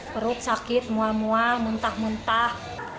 perut sakit mua mua muntah muntah